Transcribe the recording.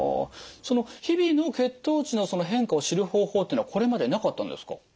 その日々の血糖値のその変化を知る方法っていうのはこれまでなかったんですか？